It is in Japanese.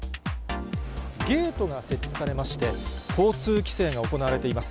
ゲートが設置されまして、交通規制が行われています。